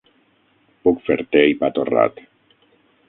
Puc fer té i pa torrat.